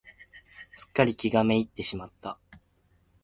すっかり気が滅入ってしまった。